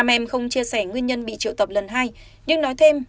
ba em không chia sẻ nguyên nhân bị triệu tập lần hai nhưng nói thêm